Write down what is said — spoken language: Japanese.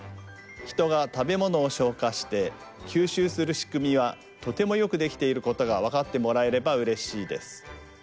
ヒトが食べ物を消化して吸収するしくみはとてもよくできていることがわかってもらえればうれしいです。